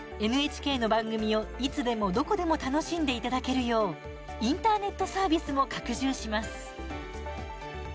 ＮＨＫの番組をいつでもどこでも楽しんでいただけるようインターネットサービスも拡充します。